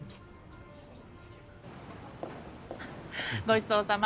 ごちそうさま。